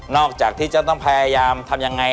อกจากที่จะต้องพยายามทำยังไง